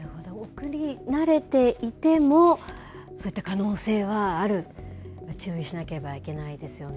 送り慣れていても、そういった可能性はある、注意しなければいけないですよね。